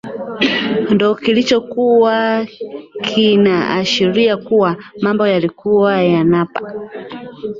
ndo kilichokuwa kinaashiria kuna mambo yalikuwa yanapa